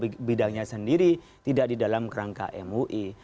jadi saya ingin menjelaskan bahwa soal politik itu adalah soal keagamaan